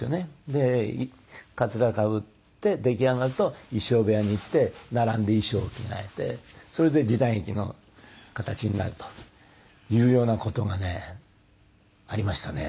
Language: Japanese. でカツラをかぶって出来上がると衣装部屋に行って並んで衣装を着替えてそれで時代劇の形になるというような事がねありましたね。